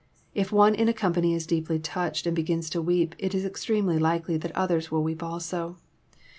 If one in a company is deeply touched, and begins to weep, it is extremely likely that others will weep also.